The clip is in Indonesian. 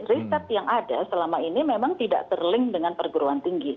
riset yang ada selama ini memang tidak terlink dengan perguruan tinggi